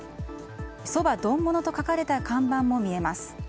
そば・丼物と書かれた看板も見えます。